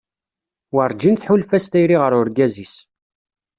Werǧin tḥulfa s tayri ɣer urgaz-is.